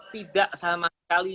tidak sama sekali